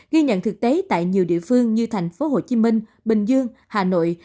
ghi nhận thực tế tại nhiều địa phương như thành phố hồ chí minh bình dương hà nội